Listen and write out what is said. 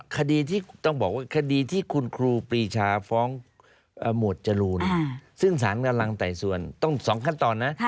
คดีที่ต้องบอกว่าคดีที่คุณครูปรีชาฟ้องหมวดจรูนซึ่งสารกำลังไต่สวนต้อง๒ขั้นตอนนะ